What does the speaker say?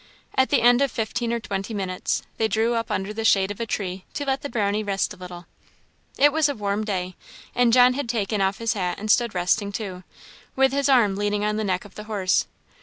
At the end of fifteen or twenty minutes they drew up under the shade of a tree to let the Brownie rest a little. It was a warm day, and John had taken off his hat and stood resting too, with his arm leaning on the neck of the horse.